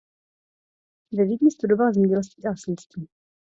Ve Vídni studoval zemědělství a lesnictví.